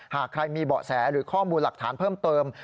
หากใครมีเบาะแสหรือข้อมูลหลักฐานเพิ่มเติม